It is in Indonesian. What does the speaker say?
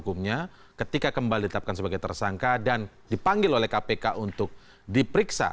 hukumnya ketika kembali tetapkan sebagai tersangka dan dipanggil oleh kpk untuk diperiksa